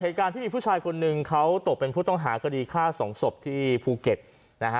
เหตุการณ์ที่มีผู้ชายคนหนึ่งเขาตกเป็นผู้ต้องหาคดีฆ่าสองศพที่ภูเก็ตนะฮะ